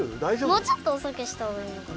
もうちょっとおそくしたほうがいいのかな。